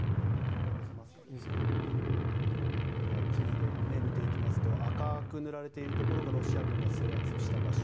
地図で見ていきますと赤く塗られているところがロシア軍が制圧した場所。